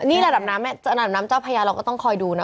นี่ระดับน้ำระดับน้ำเจ้าพญาเราก็ต้องคอยดูนะ